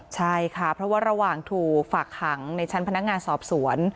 ใช่ค่ะเพราะว่าระหว่างถูกฝากขังในชั้นพนักงานสอบสวน